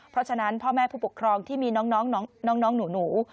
เพราะฉะนั้นพ่อแม่ผู้ปกครองที่มีน้องหนู